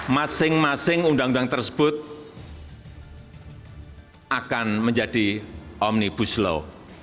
masing masing undang undang tersebut akan menjadi omnibus law